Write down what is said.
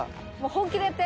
本気でやって。